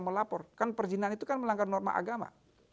dihapus kan perjinan itu kan melanggar norma agama